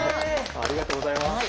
ありがとうございます。